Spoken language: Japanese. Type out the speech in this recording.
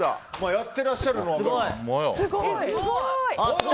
やってらっしゃるのは、まあ。